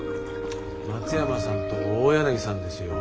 松山さんと大柳さんですよ。